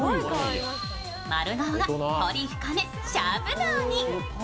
丸顔が彫り深め、シャープ顔に。